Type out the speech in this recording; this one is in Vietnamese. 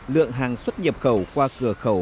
lượng hàng xuất nhập khẩu qua cửa khẩu